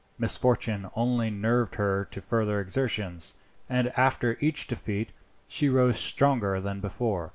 Misfortune only nerved her to further exertions, and after each defeat she rose stronger than before.